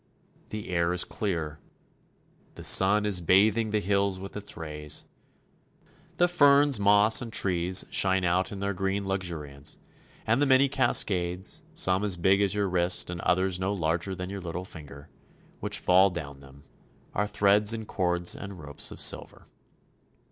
The air is clear. The sun is bathing the hills with its rays. The ferns, moss, and trees shine out in their green luxuriance, and the many cascades, some as big as your wrist and others no larger than your little finger, which fall down them, are threads and cords and ropes of silver.